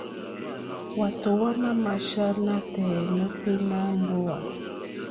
Hwátò hwámà máchá nátɛ̀ɛ̀ nôténá mbówà.